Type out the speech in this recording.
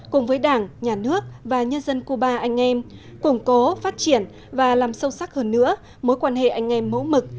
cùng với đảng nhà nước và nhân dân cuba anh em củng cố phát triển và làm sâu sắc hơn nữa mối quan hệ anh em mẫu mực